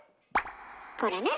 これね。